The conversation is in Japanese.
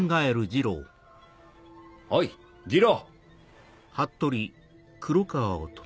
おい二郎。